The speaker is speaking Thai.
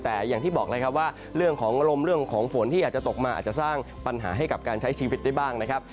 แต่อย่างที่บอกเลยครับว่าเรื่องของอารมณ์เรื่องของฝนที่อาจจะตกมาอาจจะสร้างปัญหาให้กับการใช้ชีวิตได้บ้างนะครับ